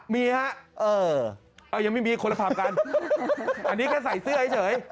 มีฮะยังไม่มีคนละผับกันอันนี้แค่ใส่เสื้อเฉย